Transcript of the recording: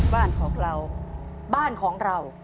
บ้านของเรา